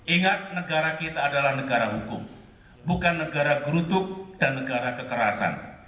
ingat negara kita adalah negara hukum bukan negara gerutuk dan negara kekerasan